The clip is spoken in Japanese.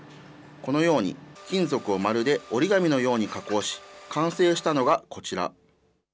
このように、金属をまるで折り紙のように加工し、完成したのがこちら。